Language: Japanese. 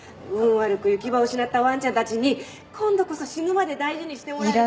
悪く行き場を失ったわんちゃんたちに今度こそ死ぬまで大事にしてもらえる。